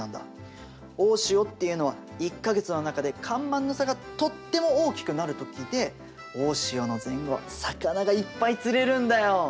大潮っていうのは１か月の中で干満の差がとっても大きくなる時で大潮の前後は魚がいっぱい釣れるんだよ！